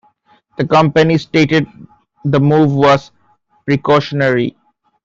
The company stated the move was precautionary.